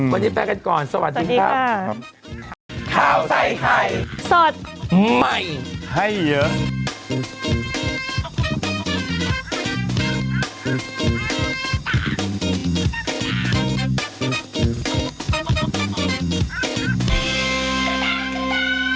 วันนี้แปลกันก่อนสวัสดีครับสวัสดีค่ะสวัสดีค่ะครับ